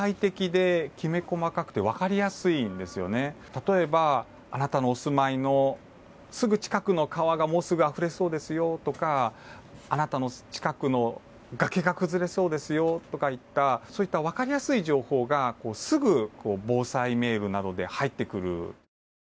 例えばあなたのお住まいのすぐ近くの川がもうすぐあふれそうですよとかあなたの近くの崖が崩れそうですよとかいったそういったわかりやすい情報がすぐ防災メールなどで入ってくる。